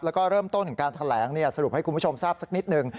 แล้วก็เริ่มต้นของการแถลงสรุปให้คุณผู้ชมทราบสักนิดหนึ่ง